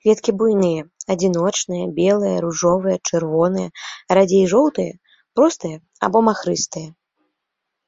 Кветкі буйныя, адзіночныя, белыя, ружовыя, чырвоныя, радзей жоўтыя, простыя або махрыстыя.